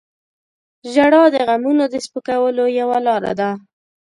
• ژړا د غمونو د سپکولو یوه لاره ده.